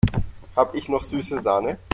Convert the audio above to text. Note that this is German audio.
Habe ich noch süße Sahne?